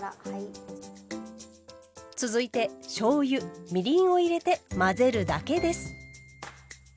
続いてしょうゆみりんを入れて混ぜるだけです。